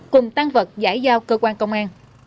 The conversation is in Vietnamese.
cùng tăng vật giải giao cơ quan công an